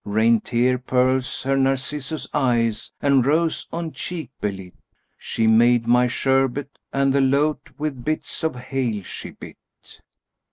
Rained tear pearls her Narcissus eyes, and rose on cheek belit * She made my sherbet, and the lote with bits of hail she bit."